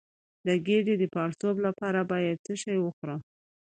د ګیډې د پړسوب لپاره باید څه شی وخورم؟